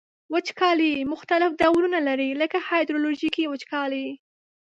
وچکالي مختلف ډولونه لري لکه هایدرولوژیکي وچکالي.